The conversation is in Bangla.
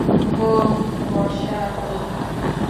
বোহ, ভরসা রাখ।